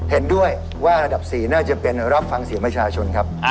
เห็นด้วยว่าระดับ๔น่าจะเป็นรับฟังเสียงประชาชนครับ